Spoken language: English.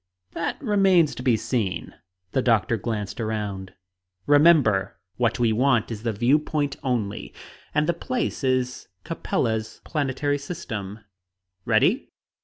"That remains to be seen." The doctor glanced around. "Remember: what we want is the view point only; and the place is Capella's planetary system. Ready?"